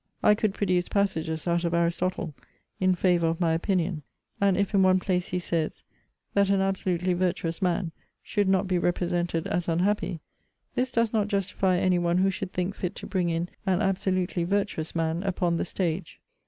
I could produce passages out of Aristotle in favour of my opinion; and if in one place he says, that an absolutely virtuous man should not be represented as unhappy, this does not justify any one who should think fit to bring in an absolutely virtuous man upon the stage.